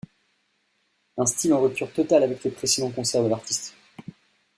Un style en rupture totale avec les précédents concerts de l'artiste.